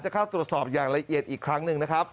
เข้าตรวจสอบอย่างละเอียดอีกครั้งหนึ่งนะครับ